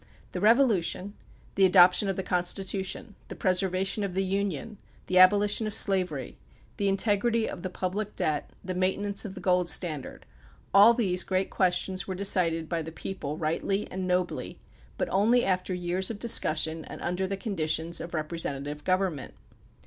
The Revolution, the adoption of the Constitution, the preservation of the Union, the abolition of slavery, the integrity of the public debt, the maintenance of the gold standard, all these great questions were decided by the people rightly and nobly, but only after years of discussion and under the conditions of representative government.